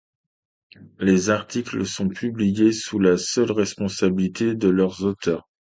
Les articles sont publiés sous la seule responsabilité de leurs auteurs.